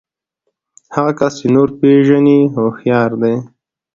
هغه کس چې نور پېژني هوښيار دی.